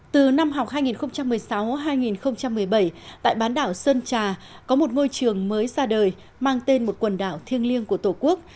từ năm học hai nghìn một mươi sáu hai nghìn một mươi bảy tại bán đảo sơn trà có một ngôi trường mới ra đời mang tên một quần đảo thiêng liêng của tổ quốc